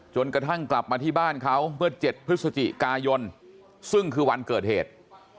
กระทั่งกลับมาที่บ้านเขาเมื่อ๗พฤศจิกายนซึ่งคือวันเกิดเหตุ